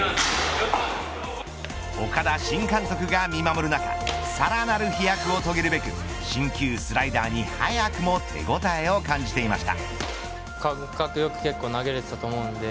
岡田新監督が見守る中さらなる飛躍を遂げるべく新球スライダーに早くも手応えを感じていました。